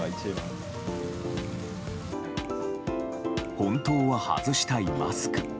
本当は外したいマスク。